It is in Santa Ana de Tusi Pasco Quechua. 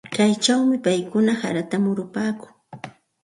Kaychawmi paykuna harata murupaakun.